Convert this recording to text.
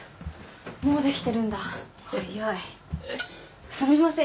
もうできてるんだ早いすみません